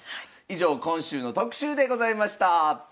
以上今週の特集でございました。